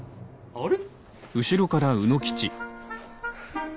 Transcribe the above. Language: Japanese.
あれ？